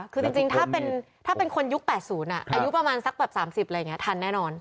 คือจริงถ้าเป็นคนยุค๘๐อายุประมาณสักแบบ๓๐อะไรอย่างนี้ทันแน่นอน